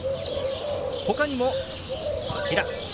ほかにもこちら。